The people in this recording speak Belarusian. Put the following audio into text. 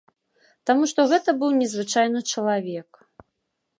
Таму што гэта быў незвычайны чалавек.